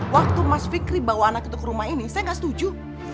waktu mas fikri bawa anak itu ke rumah ini saya nggak setuju